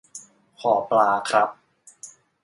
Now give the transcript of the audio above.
ขอปลาครับ